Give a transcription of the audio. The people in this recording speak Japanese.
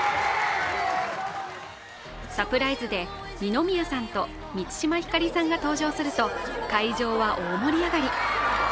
サプライズで二宮さんと満島ひかりさんが登場すると会場は大盛り上がり。